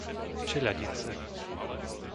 Čeľadince